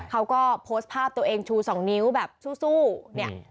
เขาก็โพสต์ภาพตัวเองชูสองนิ้วแบบสู้เนี่ย